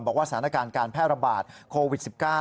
บอกว่าสถานการณ์การแพร่ระบาดโควิด๑๙